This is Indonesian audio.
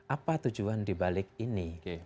apa tujuan dibalik ini